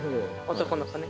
男の子ね。